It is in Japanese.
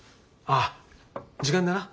ああ時間だな。